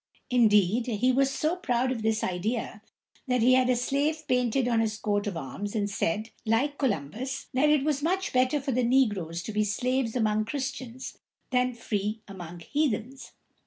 Indeed, he was so proud of this idea that he had a slave painted on his coat of arms, and said, like Columbus, that it was much better for the negroes to be slaves among Christians than free among heathens.